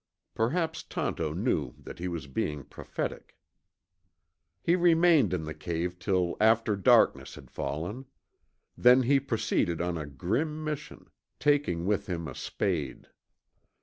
Perhaps Tonto knew that he was being prophetic. He remained in the cave till after darkness had fallen. Then he proceeded on a grim mission, taking with him a spade.